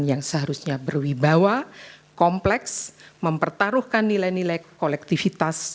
yang seharusnya berwibawa kompleks mempertaruhkan nilai nilai kolektivitas